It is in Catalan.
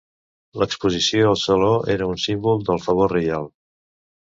L'exposició al Saló era un símbol del favor reial.